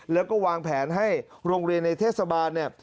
แล้วก็วางแผนให้โรงเรียนในเทศบาลเนี่ย